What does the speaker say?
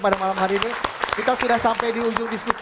pada malam hari ini kita sudah sampai di ujung diskusi